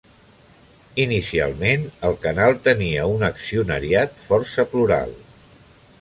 Inicialment, el canal tenia un accionariat força plural.